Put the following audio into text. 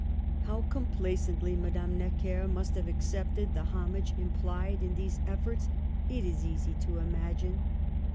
How compla cently Madame Necker must have accepted the homage implied in these efforts, it is easy to imagine.